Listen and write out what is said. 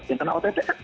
yang kena ott